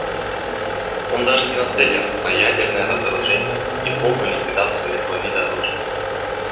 Он даже не нацелен на ядерное разоружение и полную ликвидацию этого вида оружия.